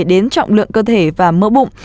đến trọng lượng cơ thể và mỡ bụng